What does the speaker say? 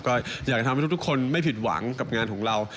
ก็อยากจะทำให้ทุกคนไม่ผิดหวังกับงานของเรา